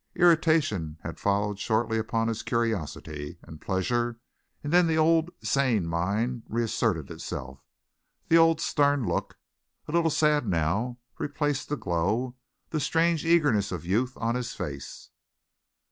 Irritation had followed shortly upon his curiosity and pleasure, and then the old sane mind reasserted itself, the old stern look, a little sad now, replaced the glow, the strange eagerness of youth on his face.